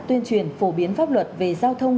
tuyên truyền phổ biến pháp luật về giao thông